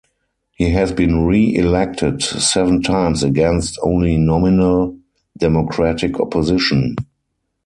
He has been reelected seven times against only nominal Democratic opposition.